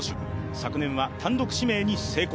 昨年は単独指名に成功。